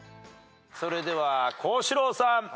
それでは幸四郎さん。